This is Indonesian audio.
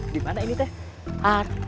di mana ini teh